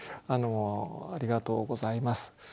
あのありがとうございます。